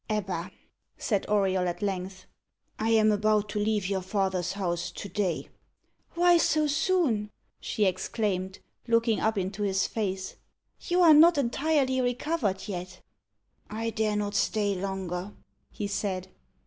"Ebba," said Auriol at length, "I am about to leave your father's house to day." "Why so soon?" she exclaimed, looking up into his face. "You are not entirely recovered yet." "I dare not stay longer," he said.